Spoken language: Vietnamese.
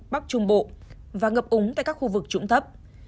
bắc trung bộ và ngập úng tại các khu vực trũng thấp